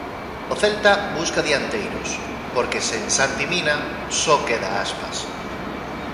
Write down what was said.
O Celta busca dianteiros, porque sen Santi Mina, só queda Aspas.